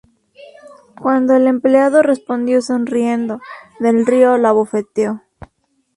Cuando el empleado respondió sonriendo, Del Río lo abofeteó.